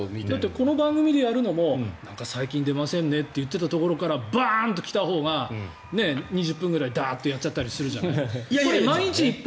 この番組でやるのも最近出ませんねって言っていたところからバーンと来たほうが２０分ぐらいダーッてやっちゃったりするじゃない。